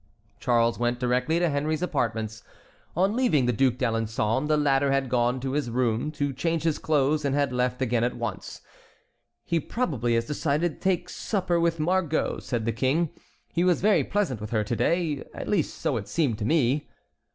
Charles went directly to Henry's apartments. On leaving the Duc d'Alençon, the latter had gone to his room to change his clothes and had left again at once. "He probably has decided to take supper with Margot," said the King. "He was very pleasant with her to day, at least so it seemed to me."